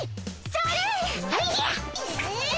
それ！